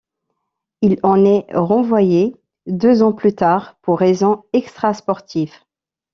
Il en est renvoyé deux ans plus tard pour raisons extra-sportives.